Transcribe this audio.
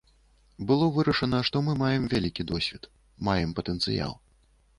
Было вырашана, што мы маем вялікі досвед, маем патэнцыял.